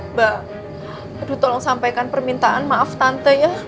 mbak aduh tolong sampaikan permintaan maaf tante ya